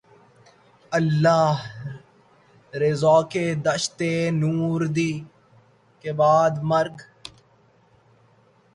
اللہ رے ذوقِ دشت نوردی! کہ بعدِ مرگ